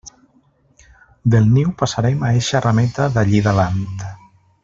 Del niu passarem a eixa rameta d'allí davant.